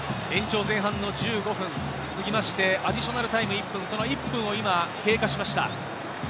延長前半の１５分を過ぎまして、アディショナルタイム１分、その１分を今、経過しました。